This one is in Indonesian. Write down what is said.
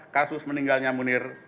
kasus meninggalnya munir